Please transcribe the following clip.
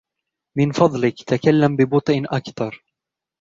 من فضلك تكلم ببطئٍ أكثر.